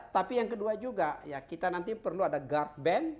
tapi yang kedua juga ya kita nanti perlu ada guard band